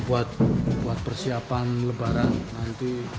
buat persiapan lebaran nanti